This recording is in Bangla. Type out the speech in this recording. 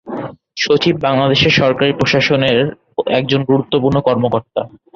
সচিব বাংলাদেশের সরকারি প্রশাসনের একজন গুরুত্বপূর্ণ কর্মকর্তা।